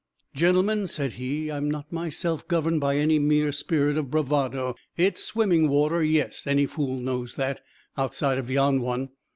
"Gentlemen," said he, "I'm not, myself, governed by any mere spirit of bravado. It's swimming water, yes any fool knows that, outside of yon one.